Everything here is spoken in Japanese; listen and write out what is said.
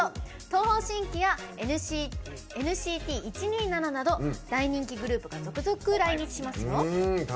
東方神起やＮＣＴ１２７など大人気グループが続々来日しますよ。